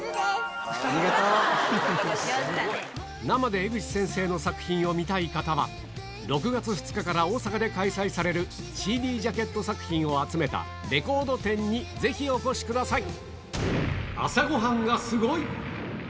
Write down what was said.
生で江口先生の作品を見たい方は６月２日から大阪で開催されるＣＤジャケット作品を集めたＲＥＣＯＲＤ展にぜひお越しください